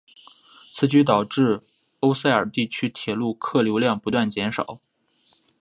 此举导致欧塞尔地区铁路客流量不断减少。